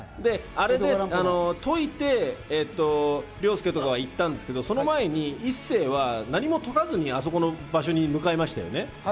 あれを解いて凌介とかは行ったんですけど、その前に一星は何も解かずに、あそこの場所に向かいましたね。